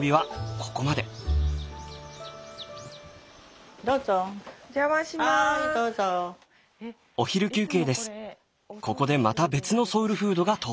ここでまた別のソウルフードが登場。